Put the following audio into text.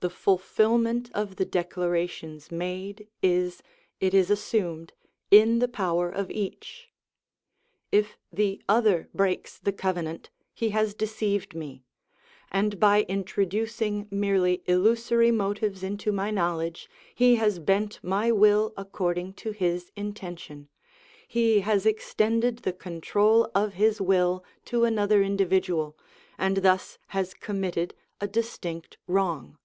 The fulfilment of the declarations made is, it is assumed, in the power of each. If the other breaks the covenant, he has deceived me, and by introducing merely illusory motives into my knowledge, he has bent my will according to his intention; he has extended the control of his will to another individual, and thus has committed a distinct wrong.